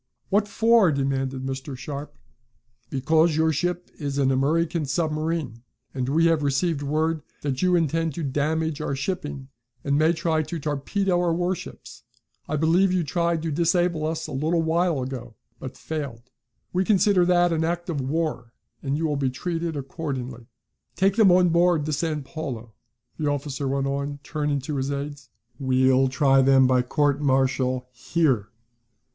"What for?" demanded Mr. Sharp. "Because your ship is an American submarine, and we have received word that you intend to damage our shipping, and may try to torpedo our warships. I believe you tried to disable us a little while ago, but failed. We consider that an act of war and you will be treated accordingly. Take them on board the San Paulo," the officer went on, turning to his aides. "We'll try them by court marital here.